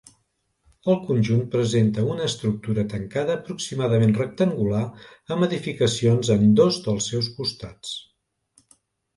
El conjunt presenta una estructura tancada aproximadament rectangular amb edificacions en dos dels seus costats.